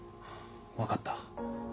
分かった。